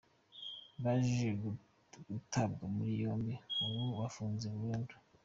baje gutabwa muri yombi ubu bafunze burundu.